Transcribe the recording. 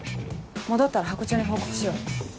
戻ったらハコ長に報告しよう。